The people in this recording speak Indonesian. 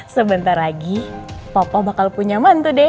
sebentar lagi papa bakal punya mantu deh